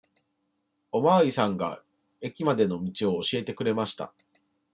おまわりさんが駅までの道を教えてくれました。